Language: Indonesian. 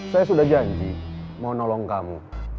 saya sudah janji mau nolong kamu